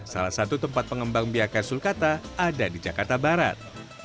salah satu tempat pengembang biakan sulkata ada di jakarta barat